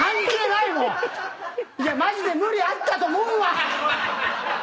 いやマジで無理あったと思うわ。